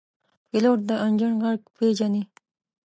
پیلوټ د انجن غږ پېژني.